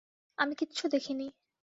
আমি কিচ্ছু দেখিনি।